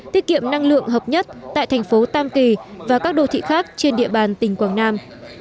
tiết kiệm năng lượng hợp nhất tại thành phố tam kỳ và các đô thị khác trên địa bàn tỉnh quảng nam